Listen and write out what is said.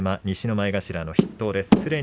西の前頭筆頭です。